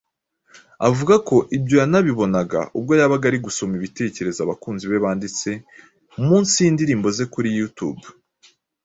Avuga ko ibyo yanabibonaga ubwo yabaga ari gusoma ibitekerezo abakunzi be banditse munsi y'indirimbo ze kuri YouTube.